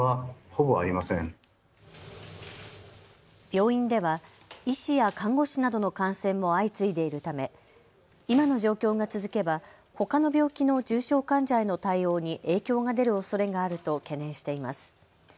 病院では医師や看護師などの感染も相次いでいるため今の状況が続けば、ほかの病気の重症患者への対応に影響が出るおそれがあると懸念しています。